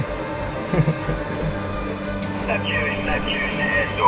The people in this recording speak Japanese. フフフ。